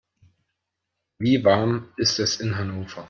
Wie warm ist es in Hannover?